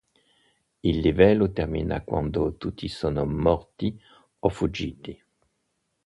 Il livello termina quando tutti sono morti o fuggiti.